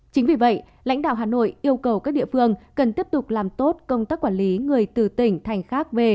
chính vì vậy lãnh đạo hà nội yêu cầu các địa phương cần tiếp tục làm tốt công tác quản lý người từ tỉnh thành khác về